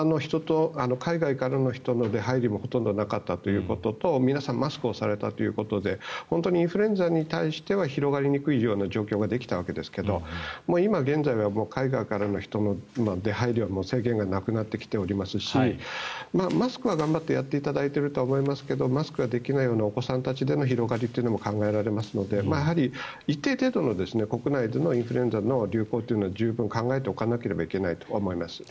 海外からの人の出入りもほとんどなかったということと皆さんマスクをされたということで本当にインフルエンザに対しては広がりにくい状況ができたわけですが今現在は海外からの人の出入りは制限がなくなってきていますしマスクは頑張ってやっていただいているとは思いますがマスクができないようなお子さんでの広がりというのも考えられますので一定程度の国内でのインフルエンザの流行というのは十分考えておかなければいけないと思います。